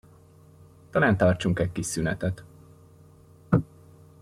Talán tartsunk egy kis szünetet.